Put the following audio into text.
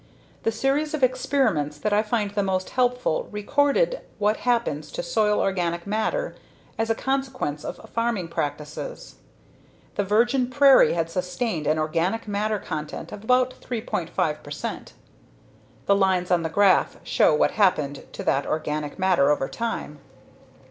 The series of experiments that I find the most helpful recorded what happens to soil organic matter as a consequence of farming practices. The virgin prairie had sustained an organic matter content of about 3.5 percent. The lines on the graph show what happened to that organic matter over time.